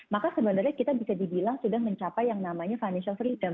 maka sebenarnya kita bisa dibilang sudah mencapai yang namanya financial free term